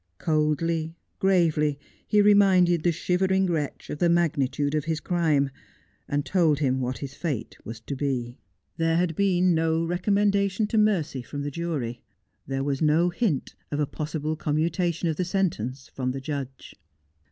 Coldly, gravely, he reminded the shivering wretch of the magnitude of his crime, uud told him what his fate was to be. There had been no Guilty. 61 recommendation to mercy from the jury. There was no hint of a possible commutation of the sentence from the judge.